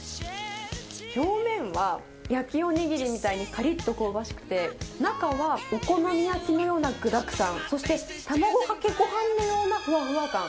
表面は焼きおにぎりみたいにかりっと香ばしくて、中はお好み焼きのような具だくさん、そして卵かけごはんのようなふわふわ感。